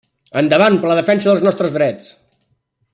Endavant per la defensa dels nostres drets!